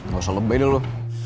gak usah lebih dulu